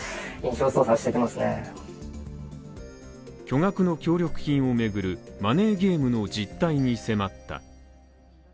巨額の協力金を巡るマネーゲームの実態に迫った。